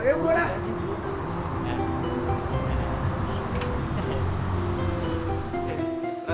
ayo berdua dah